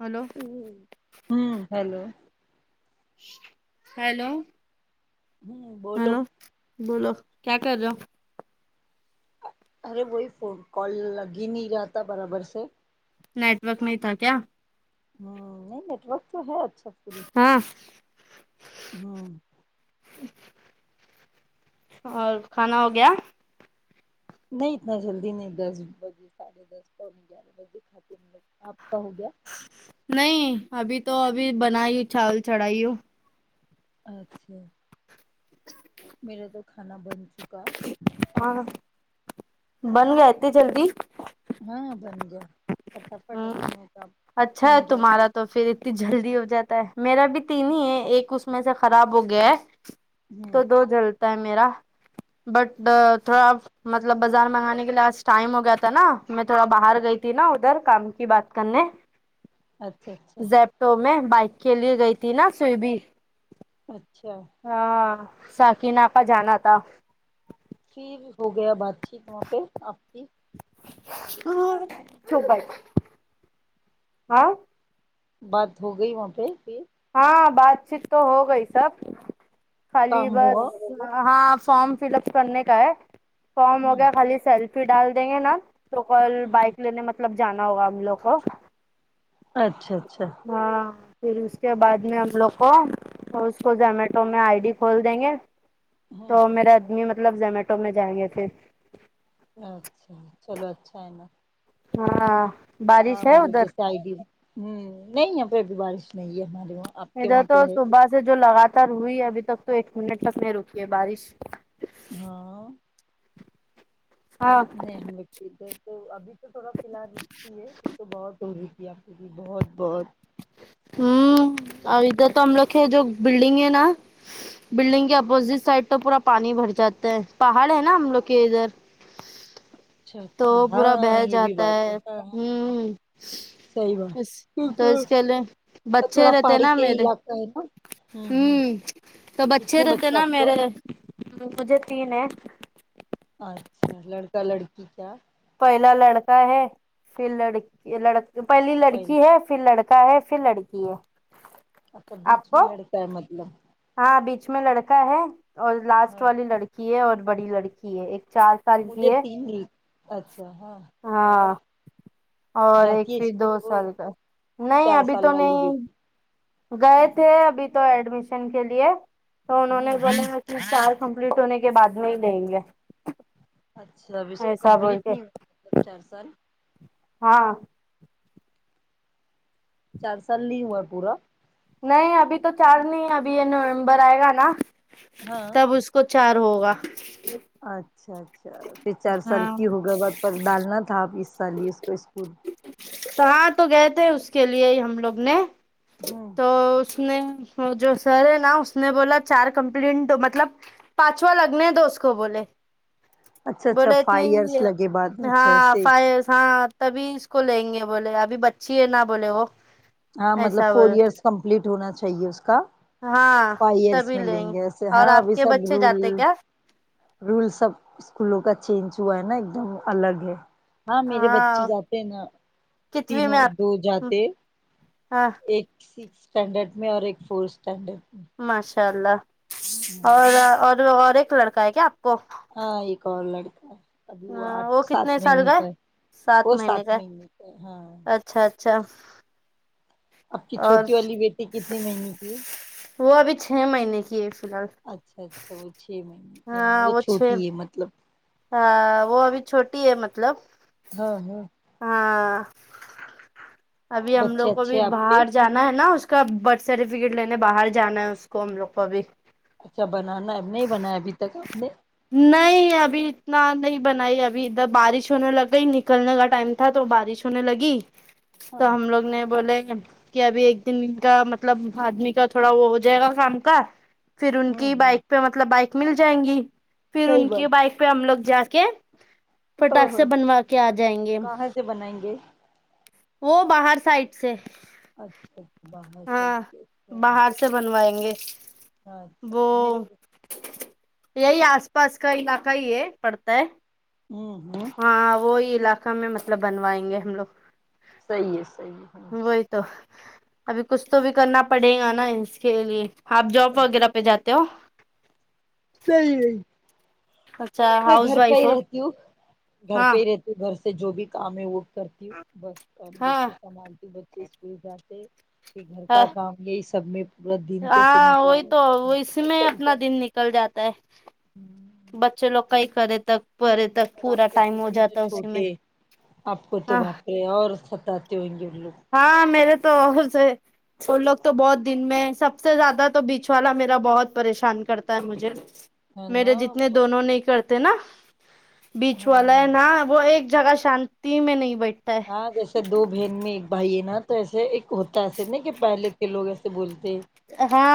Hello ہوں ہوں hello hello ہوں بولو ہیلو بولو کیا کر رہے ہو ارے وہی فون کال لگ ہی نہیں رہا تھا برابر سے نیٹ ورک نہیں تھا کیا نہیں نیٹورک تو ہے اچھا پوری ہاں ہاں اور کھانا ہو گیا نہیں اتنا جلدی نہیں دس بجے ساڑھے دس گیارہ بجے کھاتے ہے آپ کا ہو گیا نہیں ابھی تو ابھی بنا چاول چڑھائی ہوں اچھا میرا تو کھانا بن چکا ہاں بن گیا اتنی جلدی ہاں بن گیا فٹافٹ اپنے کا تین گیا سے اتن جلدی ہو جاتا ہے میرا بھی تین ہی ہے ایک اس میں سے خراب ہو گیا ہے ہوں تو دو جلتا ہے میرا بٹ تھوڑا مب مطلب بازار منگانے کے لی آج ٹائم ہو گیا تھا نا میں تھوڑا باہر گئی تھی نا ادھر کام کی بات کرنے اچھا اچھا تو میں بائک کے لیے گئی تھی نا سویمنگ اچھا ہاں ساکینا کا جانا تھا پھر ہو گیا بات چیت وہاں پہ آپ کی ہاں بات ہو گئی وہاں پہ ہاں بات چیت تو ہو گئی سب خالی کام بس ہوا ہاں فارم فل اپ کرنے کا ہے فارم ہو ہوں گیا خالی سیلف پھر ڈال دیں گے نا تو کل ہاں بائک لینے مطلب جانا ہوگا ہم لوگ کو اچھا اچھا ہاں پھر اس کے بعد میں ہم لوگ کو تو اس کو زومیٹو میں آئی ڈی کھول دیں گے تو ہاں میرے آدمی مطلب زومیٹو میں جائیں گے پھر اچھا چلو اچھا ہے نا ہاں ہاں بارش ہے مطلب ادھر جیسے آئی بھی ہمم نہیں یہاں پہ ابھی بارش نہیں ہے ہمارے وہاں آپ کے ادھر وہاں تو پہ ہے صبح سے جو لگاتار ہوئی ہے ابھی تک تو ایک منٹ تک نہیں رکی ہے بارش ہاں ہاں نہیں ہم ادھر تو ابھی تو تھوڑا فی الحال اتتی ہے یہ تو بہت ہو رہی تھی آپ کی کی بہت بہت ہوں اور ادھر تو ہم لوگ جو بلڈنگ ہے نا بلڈنگ کے اپوزٹ سائڈ تو پورا پانی بھر جاتا ہے پہاڑ ہے نا ہم لوگ کے ادھر اچھا تو اچھا پورا بھے ہاں یہ بھی جاتا بات ہے ہاں ہاں ہوں صحیح بات چلے بچے تھوڑا رہتے پہاڑی نا کے میرے علاقہ ہے نا ہوں ہوں ہمم تو بچے کتنے رہتے نا آپ کو میرے مجھے تین ہے اچھا لڑکا لڑکی کیا پہلا لڑکا ہے پھر لڑکی پہلی پہل لڑکی ہے پھر لڑکا ہے پھر لڑکی ہے اچھا بیچ آپ میں کو لڑکا ہے مطلب ہاں بیچ میں لڑکا ہے اور لاسٹ ہاں والی لڑکی ہے اور بڑی لڑکی ہے ایک چار سال کی مجھے ہے تین ل اچھا ہاں اور ہاں اور جاتی ایک ہے پھر اسکول دو کو سال کا نہیں چار ابھی سال تو والی نہیں بیٹی گئے تھے ابھی تو ایڈمیشن کے لیے تو انہوں نے ہوں بو چار کمپلیٹ ہونے کے بعد میں ہی لیں گے اچھا اب اس کو ایسا بول کمپلیٹ کے نہیں ہوا مطلب چار سال ہاں چار سال نہیں ہوا ہے پورا نہیں ابھی تو چار نہیں ابھی یہ نومبر آئے گا نا ہاں تب اس کچ چار ہوگا اچھا اچھا پھر چار ہاں سال کی ہوگئے وقت پر ڈالنا تھا اپ اس سال ہی اس کو اسکول تو ہاں تو گئے تھے اس کے لیے ہی ہم لوگ نے ہاں تو اس نے جو سر ہے نا اس نے بولا چار کمپلینٹ مطلب پانچواں لگنے دو اس کو بولے اچھا اچھا بولے فائیو نہیں ایئرس لگے بعد اچھا ہاں ف ایسے ہاں تبھی اس کو لیں گے بولے ابھی بچی ہے نہا بولے وہ ہاں مطلب ایسا فور بولے ایئرس کمپلیٹ ہونا چاہیے اس کا ہاں فائی ایئرس تبھی لیں ملیں گے ایسے اور ہاں آپ ابھی کے سب بچے رول جاتے کیا رول سب اسکولوں کا چینج ہوا ہے نا ایک دم الگ ہے ہاں میرے بچے جاتے ہیں نا کتویں میں تینوں دو آپ جاتے ہاں ایک سکس اسٹینڈرڈ میں اور ایک فورتھ اسٹینڈرڈ میں ماشاء اللہ ہوں اور اور اور ایک لڑکا ہے کیا آپ کو ہاں ایک اور لڑکا ہے ابھی وہ آٹ سات مہینے کا ہے وہ سات مہینے کا ہاں اچھا اچھا آپ کی اور چھوٹی والی بیٹی کتنی مہینے کی ہے وہ ابھی چھ مہینے کی ہے فی الحال اچھا اچھا وہ چھ مہینے ہاں وہ چھوٹی ہے مطلب ہاں وہ ابھی چھوٹی ہے مطلب ہاں ہاں ہاں ابھی ہم بچے لوگ کوبھی اچھے آپ کے باہر جا ہے نا اس کا برتھ سرٹیفکیٹ لینے باہر جانا ہے اس کو ہم لوگ کو ابھی اچھا بنانا ہے اب نہیں بنایا ابھی تک آپ نے نہیں ابھی اتنا نہیں بنائی ابھی ادھر بارش ہونے لگ گئی نکلنے کا ٹائم تھا تو بارش ہونے لگی ہاں تو ہم لوگ نے بولے کہ ابھی ایک دن کا مطلب آدمی کا تھوڑا وہ ہو جائے گا کام کا پھر ان ہوں کی ہوں بائک پہ مطلب بائک مل جائیں گی پھر صحیح ان کی بات بائک پہ ہم لوگ جا کے ہاں پٹاخ ہاں سے بنوا کے آ جائیں گے کہاں سے بنائیں گے وہ باہر سائد سے اچھا اچھا باہر سائڈ ہاں سے اچھا ہے باہر سے بنوائیں گے وہ یہی آس پاس کا علاقہ ہی ہے پڑتا ہے ہوں ہوں ہاں وہی علاقہ میں مطلب بنوائیں گے ہم لوگ صحیح ہے صحیح ہے ہاں وہی تو ابھی کچھ تو بھی کرنا پڑے گا نا اس کے لیے آپ جاب وغیرہ پہ جا جاتے ہو نہیں نہیں اچھا میں ہاؤس گھر پہ وائف ہی ہو رہتی ہوں گھر ہاں پہ ہی رہتی ہوں گھر سے جو بھی کام ہے وہ کرتی کرتی ہوں بس ہاں بچے سنبھالتی بچے اسکول جاتے پھر گھر کا کام یہی سب میں پورا دن کیسے ہاں نکل وہی تو جاتا وہ نہیں اس پتا میں چلتا اپنا دن نکل جاتا ہے بچے لوگ کا ہی کرے تک کرے تک اور پورا آپ کے تو ٹائم ہو تینوں جاتا اسی میں چھوٹے آپ کو تو ہاں باپرے اور ستاتے ہونگے ان لوگ ہاں میرے تو اور سے وہ لوگ تو بہت دن میں سب سے زیادہ تو بیچ والا میرا بہت پریشان کرتا ہے مجھے ہے میرے جتنے نا دونوں نہیں کرتے نا بیچ والا ہے ہاں نا وہ ایک جگہ شانتی میں نہیں بیٹھت ہاں جیسے دو بہن میں ایک بھائی ہے نا تو ایسے ایک ہوتا ایسے ن کہ پہلے کے لوگ ایسے سے بولتے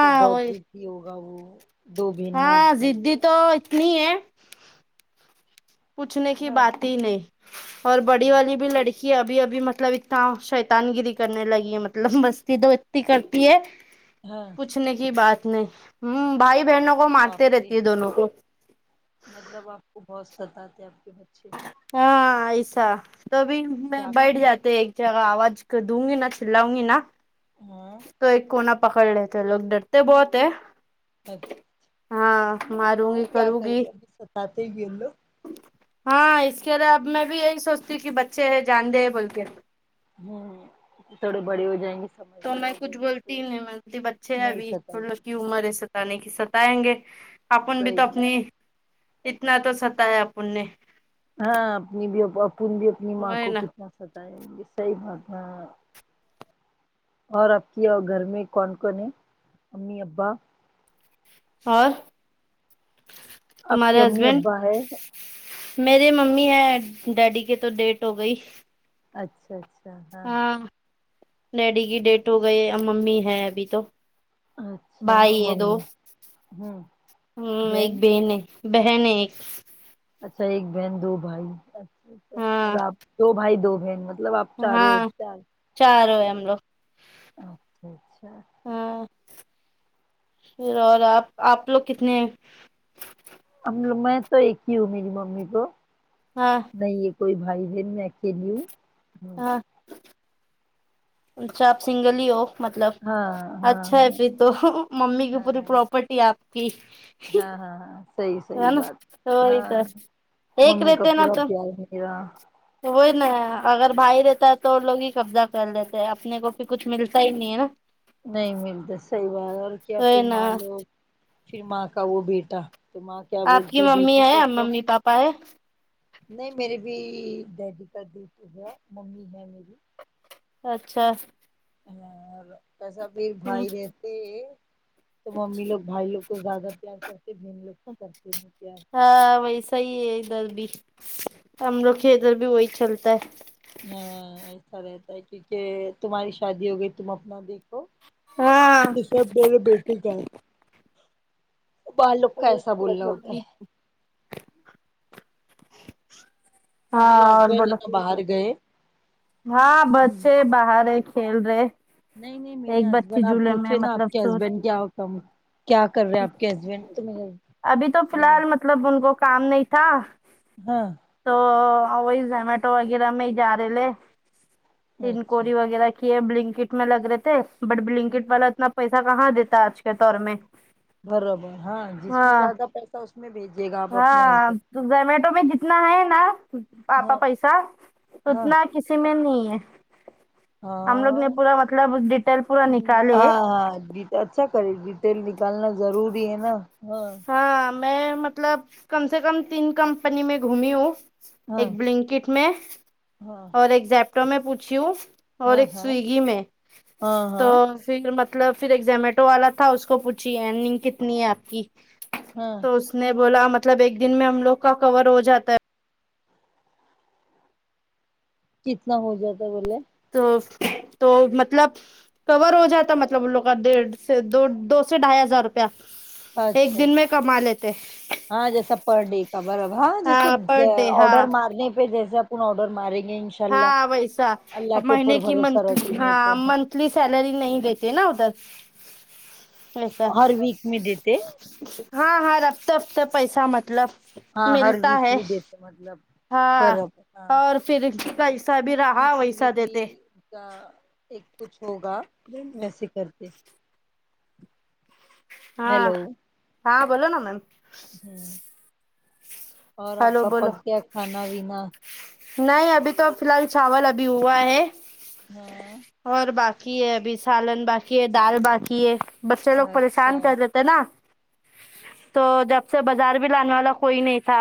کہ بہت وہی ہی ضدی ہوگا وہ دو بہن میں ایک ہاں بھائی ضدی ہے۔ تو اتنی ہے پوچھنے کی ہاں بات ہی نہیں اور بڑی ہاں والی بھی لڑکی کہ ابھی ابھی مطلب اتنا شیطان گیری کرنے لگی ہے مطلب مستی تو اتنی کرتی ہے [inaudible] ہاں پوچھنے کی بات نہیں ہ بھائی بہنوں کو مارتے باپ رے رہتی ہے دونوں کو مطلب آپ کو بہت ستاتتے آپ کے بچے ہاں ایسا تو بھی میں کیا بیٹھ کرے جاتے ہیں گا۔ ایک جگہ آواز دوں گی نا چلاؤں گی نا ہاں تو ایک کونا پکڑ لیتے لوگ ڈرتے بہت ہیں اچھا ہاں ماروں گی یہ کیا کروں کرے گی گا ابھی ستاتے ہے یہ لوگ ہاں اس کے علاوہ اب میں بھی یہی سوچتی کہ بچے ہے جان دے بول کے ہوں تھوڑے بڑے ہو جائیں گے تو سمجھدار میں ہو کچھ جائیں گے بولتی تو ہی نہیں میں بولتی بچے ہیں نہیں ابھی ستائیں انلوگ گے عمر ہے ستانے ستانے کی ستائیں گے اپن بھی صحیح تو اپنی اتنا تو ستا ہے اپن نے ہاں اپنی بھی اپن بھی اپنی ماں وہی کو نا کتنا ستائیں ہونگے صحی بات ہے اور آپ کی گھر میں کون کون ہے امی ابا اور آپ کی تمہارے امی ہسبینڈ ابا ہے میرری ممی ہے ڈیڈی کے تو ڈیٹ ہو گئی اچھا اچھا ہاں ڈیڈی کی ڈیتھ ہو گئی ا ممی ہے ابھی تو اچھا بھائی ہے دو ممی ہوں ہمم ایک بہن ہے بہن ہے ایک اچھا ایک بہن دو بھائی ہاں آپ دو بھائی دو بہن مطلب آپ چاروں ہاں ہے چار چاروں ہے ہم لوگ [inaudible] ہاں پھر اور آپ آپ لوگ کتنے ہے ہم لوگ میں تو ایک ہی ہوں میری ممی کو ہاں نہیں ہے کوئی بھائی بہن میں اکیلی ہوں ہاں اچھا آپ سنگل ہی ہو مطلب ہاں ہاں اچھا ہاں ہے پھر تو ممی کی ہاں پوری پراپرٹی آپ کی ہاں ہاں صحیح ہے صحیح نا بات ساری ہاں کا ایک ممی کا رہتے نا پورا تو پیار میرا وہی نا اگر بھائی رہتا ہے تو لوگ ہی قبضہ کر لیتے ہیں اپنے کو بھی کچھ ملتا ہی نہیں ہے نا نہیں ملتا صحیح بات اور کیا وہی پھر نا ماں لو پھر ماں کا وہ بیٹا تو ماں کیا آپ بولتی کی ہے ممی بیٹی کو کم ممی پاپا ہے نہیں میرے بھی ڈیڈی کا ڈیتھ ہوگیا ممی ہے میری اچھا ہ کیسا پھر بھائی رہتے ہیں تو ممی لوگ بھائی لوگ کو زیادہ پیار کرتے بہن لوگ کو کرتے پیار ہاں ویسا ہی ہے ادھر بھی ہم لوگ کے ادھر بھی وہی چلتا ہے ہاں ایسا رہتا ہے کیونکہ تمہاری شادی ہو گئی تم اپنا دیکھو ہاں یہ سب میرے بیٹے کا ہے بعض لوگ کا ایسا بولنا ہوتا ہے ہاں میرے اور ہسبینڈ ہے بولو نا باہر گئے ہاں ہوں بچے باہر ہے کھیل رہے نہیں نہیں میرے ایک بچی ہسبینڈ آپ جھولے میں پوچھے نا مطلب آپ کے سو ہسبینڈ کیا ہو کم کیا کر رہے آپ کے ہسبینڈ تو ابھی تو فی م الحال مطلب ان کو کام نہیں تھا ہاں تو وہی زمیٹو وغیرہ میں جا رہے لے اچھا تینکوری وغیرہ کہ یہ بلنکٹ میں لگ رہے تھے بٹ بلنکٹ والا اتنا پیسہ کہاں دیتا ہے آج کے دور میں برابر ہاں جس میں ہاں زیادہ پیسہ اس میں بھیجیے گا آپ اپنے ہاں ہسبینڈ تو کو زومیٹو میں جتنا ہے نا پاپا ہاں پیسہ ہاں اتنا کسی میں نہیں ہے ہم لوگ نے ہاں پورا مطلب ڈیٹیل پورا نکالے ہاں ڈیٹ اچھا کرے ڈیٹیل نکالنا ضروری ہے نا ہاں ہاں میں مطلب کم سے کم تین کمپنی میں گھومی ہوں ہاں ایک بلنکٹ میں اور ایک زیپٹو میں پوچھی ہوں اور ہاں ہاں ہاں ایک ہاں سویگی میں تو ہاں پھر مطلب پھر ایک زومیٹو والا تھا اس کو پوچھی ارنگ کتنی ہے آپ کی ہاں تو اس نے بولا مطلب ایک دن میں ہم لوگ کا کور ہو جاتا ہے کتنا ہو جاتا ہے بولے تو تو مطلب کور ہو جاتا مطلب ان لوگ کا ڈیڑھ سے دو دو سے ڈھائی ہزار روپیہ ایک اچھا دن میں کما لیتے ہاں جیسا پر ڈے کا برابر ہاں جیسے پر ڈے آڈر ہاں مارنے پہ جیسے اپن آرڈر مارے گے انشا ہاں ویسا مہینے کی بھروسہ منتہلی رکھیں گے ہاں تو منتھ لی سیلری نہیں دیتے نا ادھر ایسا ہر ویک میں دیتے ہاں ہاں ہر ہفتے ہفتے پیسہ مطلب ہاں ہر ملتا ہے ویکلی دیتے مطلب ہاں برابر ہاں اور فھر جی کییسا بھی رہا ویکلی ویسا ویکلی دیتے کا ایک کچھ ہوگا ویسے کرتے ہاں ہیلو ہاں بولو نا میم ہ اور آپ ہلو کا بولو پک گیا کھانا وینا نہیں ابھی تو فی الحال چاول ابھی ہوا ہے ہاں اور باقی ہے ابھی سالن باقی ہے دال باقی ہے بچے لوگ پریشان اچھا کر رہتے نا تو جب سے بازار بھی لانے والا کوئی نہیں تھا